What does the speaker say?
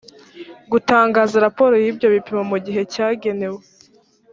gutangaza raporo y’ibyo bipimo mu gihe cyagenwe